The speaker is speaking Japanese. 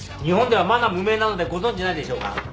日本ではまだ無名なのでご存じないでしょうが。